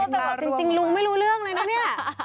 ตำรวจจริงลุงไม่รู้เรื่องเลยนะเนี่ย